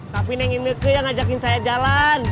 tapi neng ineke yang ajakin saya jalan